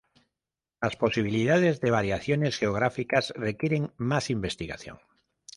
Las posibilidades de variaciones geográficas requieren más investigación.